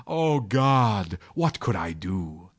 Oh God! what could I do?